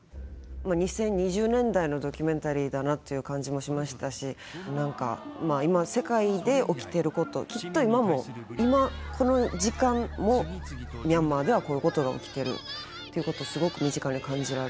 ２０２０年代のドキュメンタリーだなっていう感じもしましたし何か今世界で起きてることきっと今も今この時間もミャンマーではこういうことが起きてるっていうことをすごく身近に感じられる